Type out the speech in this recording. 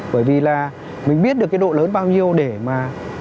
bởi vì là mình biết được cái độ lớn bao nhiêu để mà